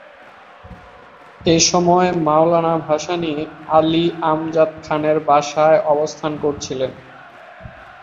এসময় মওলানা ভাসানী আলী আমজাদ খানের বাসায় অবস্থান করছিলেন।